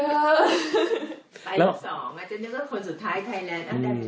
ไทยแลนด์๒จะนึกว่าคนสุดท้ายไทยแลนด์